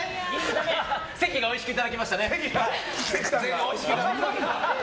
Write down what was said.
関がおいしくいただきましたね。